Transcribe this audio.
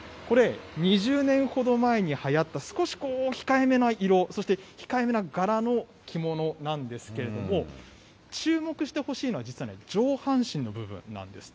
これ、２０年ほど前に流行った、少し控えめな色、そして控えめな柄の着物なんですけれども、注目してほしいのは実はね、上半身の部分なんですって。